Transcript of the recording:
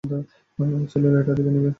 ছেলেরা এটা দেখে নিবে।